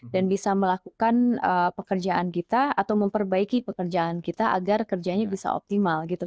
dan bisa melakukan pekerjaan kita atau memperbaiki pekerjaan kita agar kerja bisa optimal